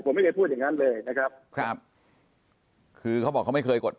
ผมไม่เคยพูดอย่างงั้นเลยนะครับครับคือเขาบอกเขาไม่เคยกด